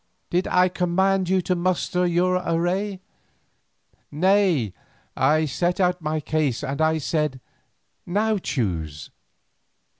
Did I command you to muster your array? Nay, I set out my case and I said 'Now choose.